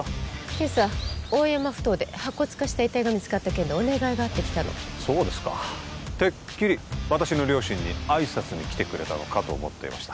今朝大山ふ頭で白骨化した遺体が見つかった件でお願いがあってきたのそうですかてっきり私の両親に挨拶に来てくれたのかと思っていました